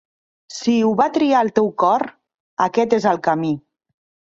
Si ho va triar el teu cor, aquest és el camí.